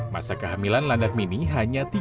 masa kehamilan landak mini hanya tiga puluh lima tahun